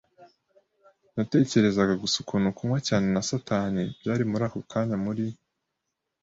Natekerezaga gusa ukuntu kunywa cyane na satani byari muri ako kanya muri